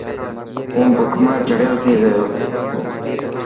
هون بک مان چڙيو ٿي گيو.